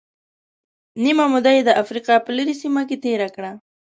نیمه موده یې د افریقا په لرې سیمه کې تېره کړه.